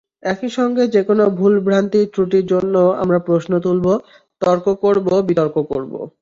একই সঙ্গে যেকোনো ভুল–ভ্রান্তি–ত্রুটির জন্য আমরা প্রশ্ন তুলব, তর্ক করব, বিতর্ক করব।